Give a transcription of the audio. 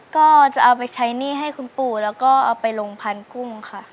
ก็จะเอาไปใช้หนี้ให้คุณปู่แล้วก็เอาไปลงพันธุ์กุ้งค่ะ